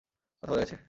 কথা বোঝা গেছে?